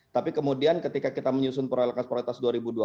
tapi kemudian ketika kita menyusun prioritas dua ribu dua puluh